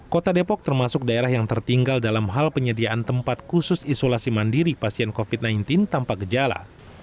kota depok termasuk daerah yang tertinggal dalam hal penyediaan tempat khusus isolasi mandiri pasien covid sembilan belas tanpa gejala